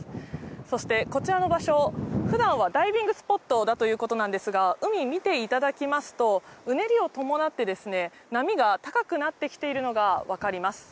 そして、こちらの場所、普段はダイビングスポットだということなんですが、海見ていただきますと、うねりを伴ってですね、波が高くなってきているのがわかります。